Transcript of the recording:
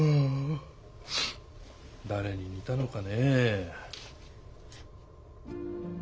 誰に似たのかねえ？